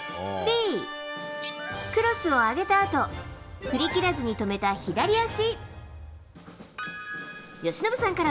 Ｂ、クロスを上げたあと、振り切らずに止めた左足。